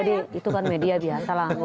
jadi itu kan media biasa lah